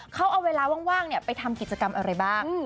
เขาเอาเวลาว่างไปทำกิจกรรมอะไรบ้าง